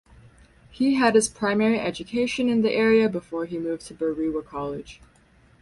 He had his primary education in the area before he moved to Barewa College.